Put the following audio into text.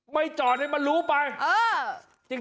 ไม่จอดให้มันรู้ไป